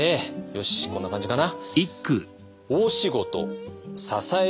よしこんな感じかな。